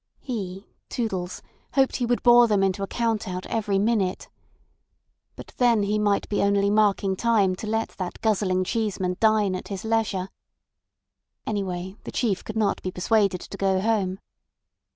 He, Toodles, hoped he would bore them into a count out every minute. But then he might be only marking time to let that guzzling Cheeseman dine at his leisure. Anyway, the Chief could not be persuaded to go home.